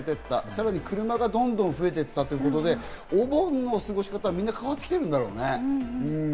さらに車がどんどん増えていったということで、お盆の過ごし方、みんな変わってきてるんだろうね。